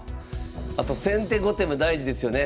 あと先手後手も大事ですよね。